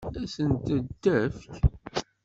Ad sent-t-tefk?